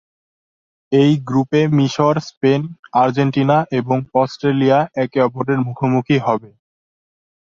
এই গ্রুপে মিশর, স্পেন, আর্জেন্টিনা এবং অস্ট্রেলিয়া একে অপরের মুখোমুখি হবে।